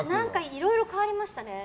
いろいろ変わりましたね。